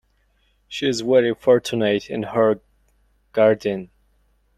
She is very fortunate in her guardian.